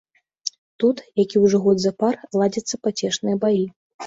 Тут які ўжо год запар ладзяцца пацешныя баі.